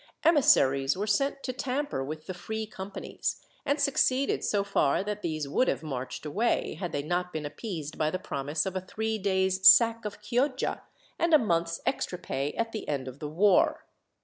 Emissaries were sent to tamper with the free companies, and succeeded so far that these would have marched away, had they not been appeased by the promise of a three days' sack of Chioggia, and a month's extra pay at the end of the war.